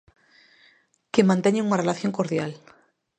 Que manteñen unha relación cordial.